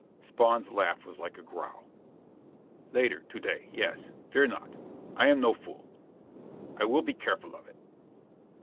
Spawn's laugh was like a growl. "Later to day, yes. Fear not! I am no fool. I will be careful of it."